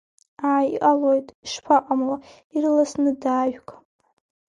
Ааи, иҟалоит, ишԥаҟамло, ирласны даажәг.